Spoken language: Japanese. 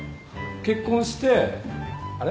結婚してあれ？